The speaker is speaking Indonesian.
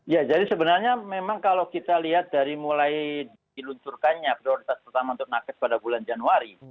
ya jadi sebenarnya memang kalau kita lihat dari mulai diluncurkannya prioritas pertama untuk nakes pada bulan januari